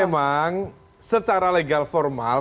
memang secara legal formal